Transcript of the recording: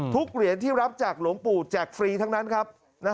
เหรียญที่รับจากหลวงปู่แจกฟรีทั้งนั้นครับ